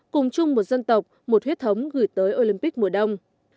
cùng chung một dân tộc một huyết thống gửi tới olympic mùa đông